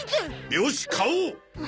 よし買おう！